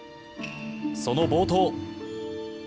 その冒頭。